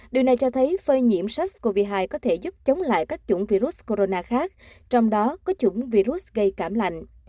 điều này cho thấy phơi nhiễm sars cov hai có thể giúp chống lại các chủng virus corona khác trong đó có chủng virus gây cảm lạnh